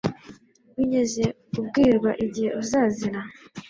wigeze ubwirwa igihe uzazira